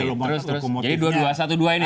terus terus jadi dua dua satu dua ini